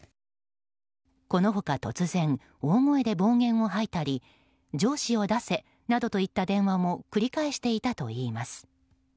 この他、突然大声で暴言を吐いたり上司を出せなどといった電話も繰り返していたといいます。